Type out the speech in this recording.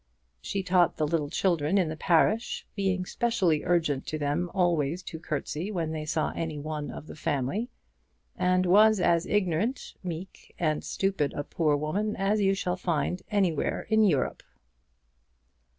She taught the little children in the parish, being specially urgent to them always to curtsey when they saw any of the family; and was as ignorant, meek, and stupid a poor woman as you shall find anywhere in Europe.